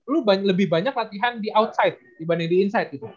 lu lebih banyak latihan di outside dibanding di insight gitu